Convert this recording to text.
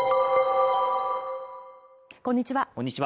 こんにちは